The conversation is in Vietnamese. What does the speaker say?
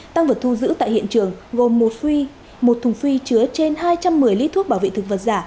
tăng vật thu giữ tại hiện trường gồm một thùng phi chứa trên hai trăm một mươi lít thuốc bảo vệ thực vật giả